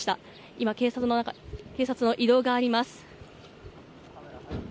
今、警察の移動があります。